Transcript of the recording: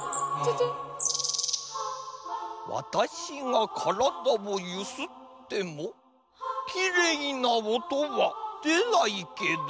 私がからだをゆすってもきれいな音は出ないけど。